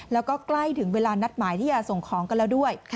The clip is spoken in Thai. แล้วก็ใกล้ถึงเวลานัดหมายที่จะส่งของกันแล้วด้วย